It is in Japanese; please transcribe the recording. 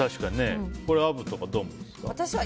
これ、アブとかはどう思いますか？